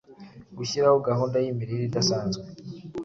Gushyiraho gahunda y’imirire idasanzwe,